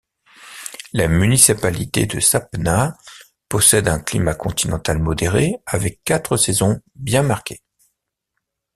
La municipalité de Sapna possède un climat continental modéré, avec quatre saisons bien marquées.